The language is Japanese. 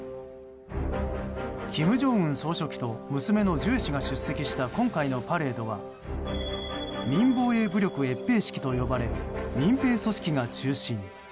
金正恩総書記と娘のジュエ氏が出席した今回のパレードは民防衛武力閲兵式と呼ばれ民兵組織が中心。